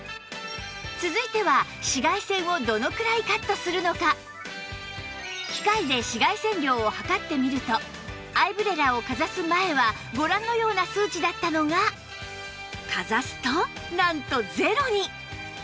続いては機械で紫外線量を測ってみるとアイブレラをかざす前はご覧のような数値だったのがかざすとなんと０に！